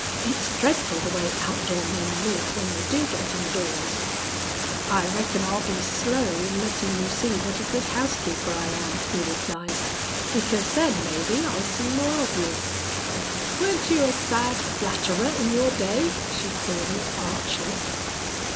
It's dreadful the way outdoor men live when they do get indoors." "I reckon I'll be slow in lettin' you see what a good housekeeper I am," he replied. "Because then, maybe, I'll see more of you." "Weren't you a sad flatterer in your day?" she queried, archly.